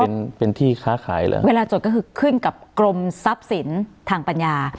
เป็นเป็นที่ค้าขายเลยเวลาจดก็คือขึ้นกับกรมทรัพย์สินทางปัญญา